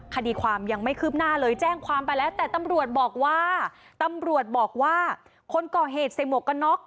คดีความยังไม่คืบหน้าเลยแจ้งความไปแล้วแต่ตำรวจบอกว่าตำรวจบอกว่าคนก่อเหตุใส่หมวกกันน็อก